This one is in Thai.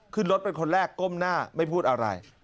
ขึ้นรถเป็นคนแรกก้มหน้าไม่พูดอะไร